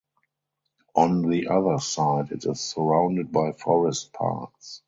On the other side it is surrounded by forest parts.